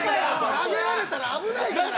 投げられたら危ないから。